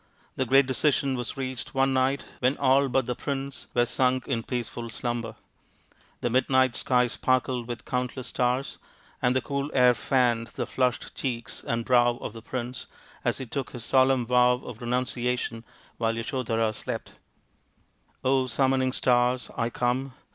The great decision was reached one night when all but the prince were sunk in peaceful slumber. The midnight sky sparkled with countless stars, and the cool air fanned the flushed cheeks and brow of the prince as he took his solemn vow of renunciation, while Yasodhara slept. " summoning stars, I come